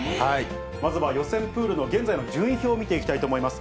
まずは予選プールの現在の順位表を見ていきたいと思います。